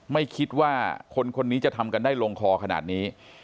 ไม่คิดว่าคนคนนี้จะทำกันได้ลงคอขนาดนี้